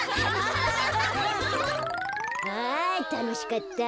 あたのしかった。